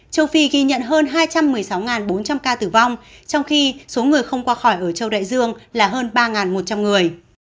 châu phi ghi nhận hơn hai trăm một mươi sáu bốn trăm linh ca tử vong trong khi số người không qua khỏi ở châu đại dương là hơn ba một trăm linh người